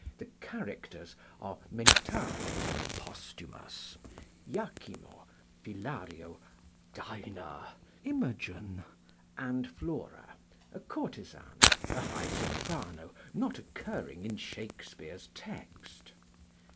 The characters are Mentano (Posthumus), Iachimo, Philario, Dinah (Imogen), and Flora, a courtesan, a high soprano, not occurring in Shakespeare's text.